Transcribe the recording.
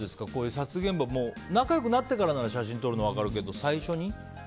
撮影現場、仲良くなってからなら写真を撮るの分かるけど最初に？